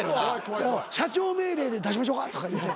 社長命令で出しましょうかとか言うて。